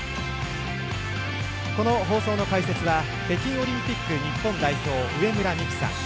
この放送の解説は北京オリンピック日本代表上村美揮さん。